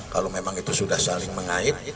kalau memang itu sudah saling mengait